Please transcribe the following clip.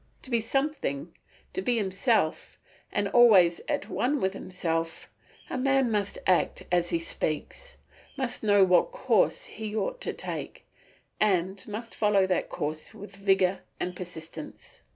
To be something, to be himself, and always at one with himself, a man must act as he speaks, must know what course he ought to take, and must follow that course with vigour and persistence.